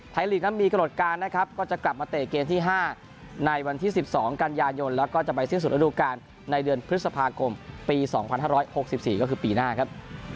ลีกนั้นมีกำหนดการนะครับก็จะกลับมาเตะเกมที่๕ในวันที่๑๒กันยายนแล้วก็จะไปสิ้นสุดระดูการในเดือนพฤษภาคมปี๒๕๖๔ก็คือปีหน้าครับ